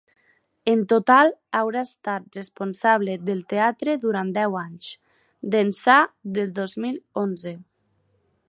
En total, haurà estat responsable del teatre durant deu anys, d’ençà del dos mil onze.